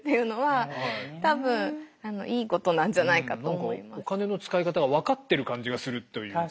そういう何かお金の使い方が分かってる感じがするというか。